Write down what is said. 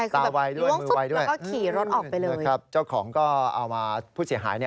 ตาไวด้วยมือไวด้วยครับเจ้าของก็เอามาผู้เสียหายเนี่ย